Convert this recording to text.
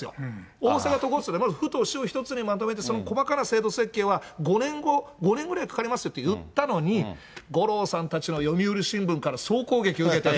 大阪都構想で、まず、ふとしをひとつにまとめて、その細かな制度設計は５年後、５年ぐらいかかりますよって言ったのに、五郎さんたちの読売新聞から、総攻撃を受けて。